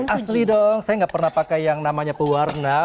asli dong saya nggak pernah pakai yang namanya pewarna